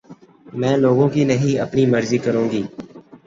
میں لوگوں کی نہیں اپنی مرضی کروں گی